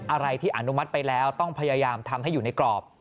อะไรที่อนุมัติไปแล้วต้องพยายามทำให้อยู่ในกรอบ